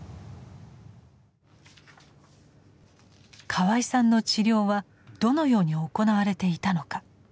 河合さんの治療はどのように行われていたのか。